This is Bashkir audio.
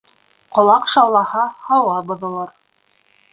Колаҡ шаулаһа, һауа боҙолор.